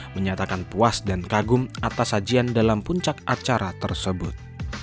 menyatakan puas dan kagum atas sajian dalam puncak acara tersebut